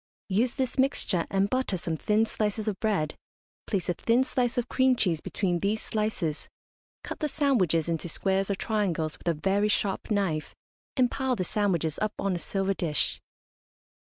Use this mixture and butter some thin slices of bread, place a thin slice of cream cheese between these slices, cut the sandwiches into squares or triangles with a very sharp knife, and pile the sandwiches up on a silver dish.